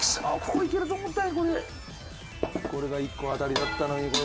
これが１個当たりだったのにこれ無理だ。